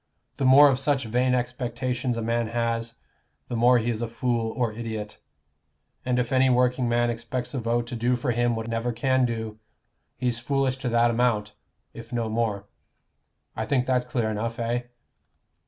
The more of such vain expectations a man has, the more he is a fool or idiot. And if any working man expects a vote to do for him what it never can do, he's foolish to that amount, if no more. I think that's clear enough, eh?"